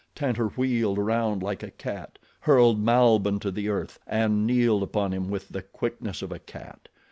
Tantor wheeled around like a cat, hurled Malbihn to the earth and kneeled upon him with the quickness of a cat.